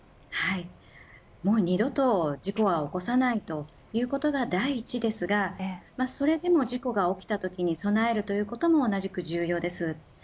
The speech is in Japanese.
もう二度と事故は起こさないということが第一ですがそれでも事故が起きたときに備えるということも同じく重要です。